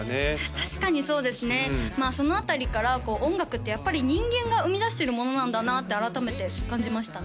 確かにそうですねまあその辺りからこう音楽ってやっぱり人間が生み出してるものなんだなって改めて感じましたね